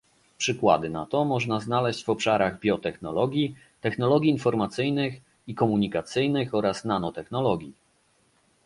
Przykłady na to można znaleźć w obszarach biotechnologii, technologii informacyjnych i komunikacyjnych oraz nanotechnologii